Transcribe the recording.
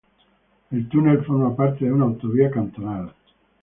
El túnel forma parte de una autovía cantonal.